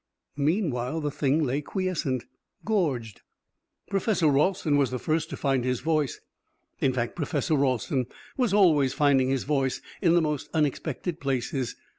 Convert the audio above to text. Meanwhile the Thing lay quiescent gorged! Professor Ralston was the first to find his voice. In fact, Professor Ralston was always finding his voice in the most unexpected places.